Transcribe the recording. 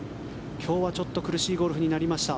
今日はちょっと苦しいゴルフになりました。